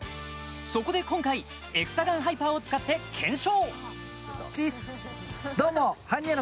そこで今回エクサガンハイパーを使って検証